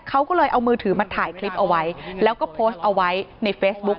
เขาก็เลยเอามือถือมาถ่ายคลิปเอาไว้แล้วก็โพสต์เอาไว้ในเฟซบุ๊ค